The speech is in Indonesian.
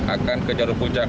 akan ke jalur puncak